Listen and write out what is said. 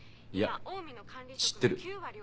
いや知ってる。